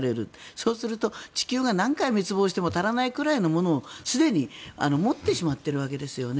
そうすると地球が何回滅亡しても足らないくらいのものを持ってしまっているわけですよね